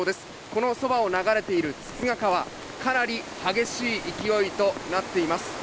このそばを流れている筒賀川、かなり激しい勢いとなっています。